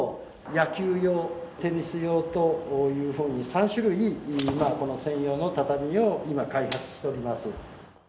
野球用、テニス用というふうに、３種類、この専用の畳を今、開発しております。